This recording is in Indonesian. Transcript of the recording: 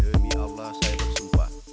demi allah saya bersumpah